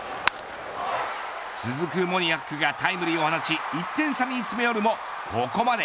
続くモニアクがタイムリーを放ち１点差に詰め寄るもここまで。